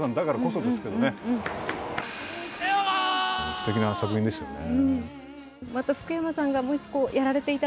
すてきな作品ですよね。